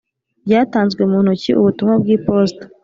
ryatanzwe mu ntoki ubutumwa bw iposita